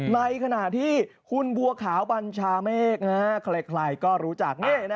ในขณะที่คุณบัวขาวบัญชาเมฆใครก็รู้จัก